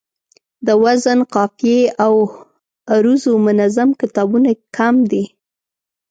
د وزن، قافیې او عروضو منظم کتابونه کم دي